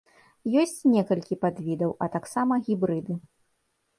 Ёсць некалькі падвідаў, а таксама гібрыды.